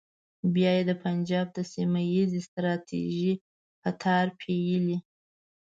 بیا یې د پنجاب د سیمه ییزې ستراتیژۍ په تار پېیلې.